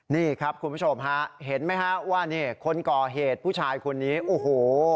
นี่ครับคุณผู้ชมฮะเห็นไหมฮะว่านี่คนก่อเหตุผู้ชายคนนี้โอ้โห